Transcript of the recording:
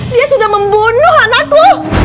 dia sudah membunuh anakku